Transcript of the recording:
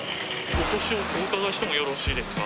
お歳をお伺いしてもよろしいですか？